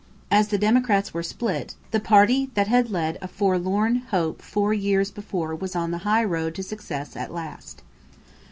As the Democrats were split, the party that had led a forlorn hope four years before was on the high road to success at last.